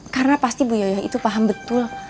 karena pasti bu yoyo itu paham betul